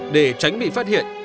để tránh bị phát hiện